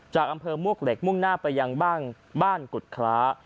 จากอำเภอมวกเหล็กมุ่งหน้าไปยังบ้านกุฎคล้า